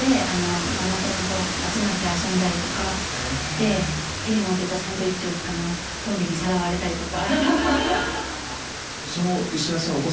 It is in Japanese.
ママ友と集まって遊んだりとかして手に持ってたサンドイッチをトンビにさらわれたりとか。